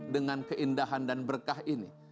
dengan keindahan dan berkah ini